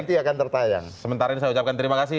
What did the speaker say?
nanti akan tertayang sementara ini saya ucapkan terima kasih